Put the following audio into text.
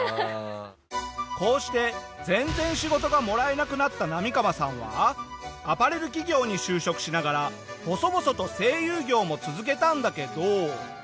こうして全然仕事がもらえなくなったナミカワさんはアパレル企業に就職しながら細々と声優業も続けたんだけど。